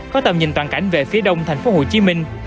có tầm nhìn toàn cảnh về phía đông thành phố hồ chí minh